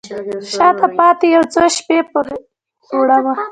شاته پاته یو څو شپې په غیږکې وړمه